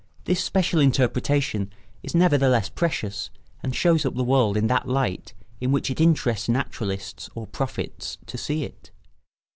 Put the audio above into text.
This special interpretation is nevertheless precious and shows up the world in that light in which it interests naturalists or prophets to see it.